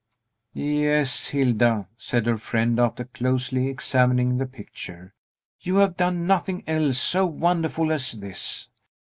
"Yes, Hilda," said her friend, after closely examining the picture, "you have done nothing else so wonderful as this.